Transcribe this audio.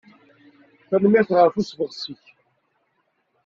Tanemmirt ɣef usebɣes-ik.